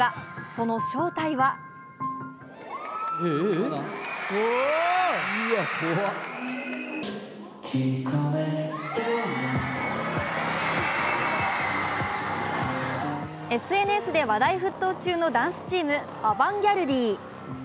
その正体はＳＮＳで話題沸騰中のダンスチーム、アバンギャルディ。